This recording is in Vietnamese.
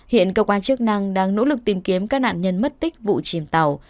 hiện cơ quan chức năng đang nỗ lực tìm kiếm các nạn nhân mất tích vụ chìm tàu